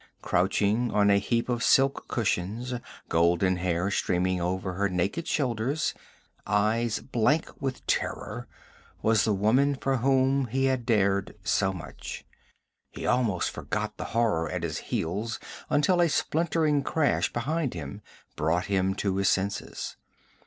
Crouching on a heap of silk cushions, golden hair streaming over her naked shoulders, eyes blank with terror, was the woman for whom he had dared so much. He almost forgot the horror at his heels until a splintering crash behind him brought him to his senses.